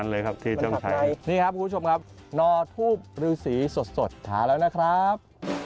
นี่ครับคุณผู้ชมครับนอทูปฤษีสดมาแล้วนะครับ